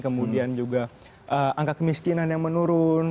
kemudian juga angka kemiskinan yang menurun